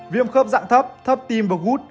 viêm khớp dạng thấp thấp tim và gút